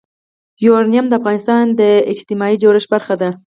یورانیم د افغانستان د اجتماعي جوړښت برخه ده.